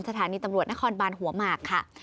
สถานีตำรวจนครบานหัวหมากค่ะ